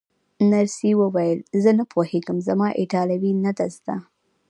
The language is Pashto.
نرسې وویل: زه نه پوهېږم، زما ایټالوي نه ده زده.